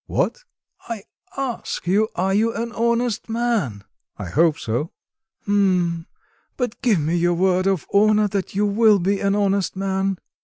"What?" "I ask you, are you an honest man?" "I hope so." "H'm. But give me your word of honour that you will be an honest man."